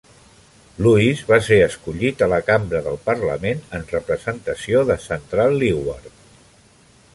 Louis va ser escollit a la cambra del parlament en representació de Central Leeward.